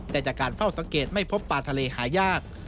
แต่จากการเฝ้าสังเกตไม่พบปลาทะเลหายาก